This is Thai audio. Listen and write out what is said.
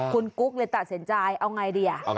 คุณกุ๊กเลยตัดสินใจเอาไงดี